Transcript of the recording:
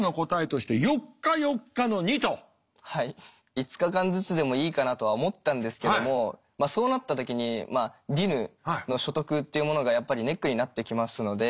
５日間ずつでもいいかなとは思ったんですけどもそうなった時にディヌの所得っていうものがやっぱりネックになってきますので。